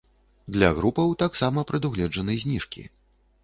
Для групаў таксама прадугледжаны зніжкі.